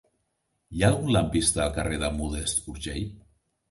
Hi ha algun lampista al carrer de Modest Urgell?